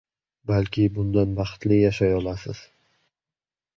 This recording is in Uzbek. Balki bundan baxtli yashay olasiz